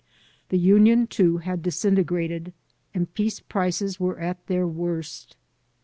The union, too, had disintegrated, and piece prices were at their worst.